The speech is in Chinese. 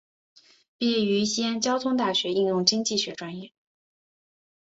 毕业于西安交通大学应用经济学专业。